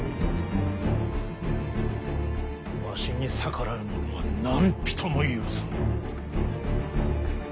わしに逆らう者は何人も許さぬ。